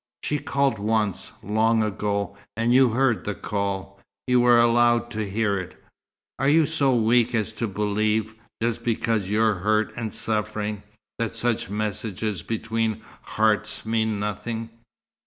She called once, long ago, and you heard the call. You were allowed to hear it. Are you so weak as to believe, just because you're hurt and suffering, that such messages between hearts mean nothing?